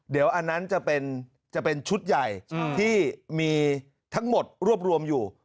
เดี๋ยวอันนั้นจะเป็นชุดใหญ่ที่มีทั้งหมดรวบรวมอยู่